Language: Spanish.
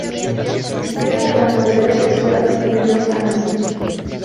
Llega a la madurez sexual de dos años.